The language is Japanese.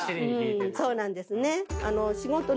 そうなんですね。